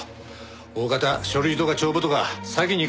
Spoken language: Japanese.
おおかた書類とか帳簿とか詐欺に関するものだろ。